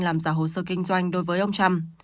làm giả hồ sơ kinh doanh đối với ông trump